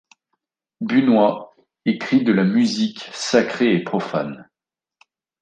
Busnois écrit de la musique sacrée et profane.